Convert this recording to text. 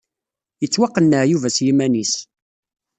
Yettwaqenneɛ Yuba s yiman-is.